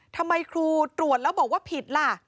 ทำไมครูตรวจแล้วบอกว่าผิดล่ะ